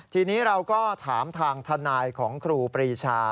ทีนี้เราก็ถามทางทนายของครูปรีชา